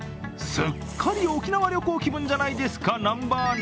すっかり沖縄旅行気分じゃないですか、南波アナ。